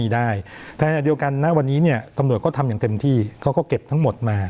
ได้แต่เดียวกันณวันนี้เนี่ยตำรวจก็ทำอย่างเต็มที่เขาก็เก็บทั้งหมดมา